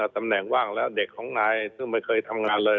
ตำแหน่งว่างแล้วเด็กของนายซึ่งไม่เคยทำงานเลย